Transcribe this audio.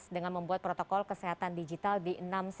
dengan membuat protokol kesehatan digital di enam sembilan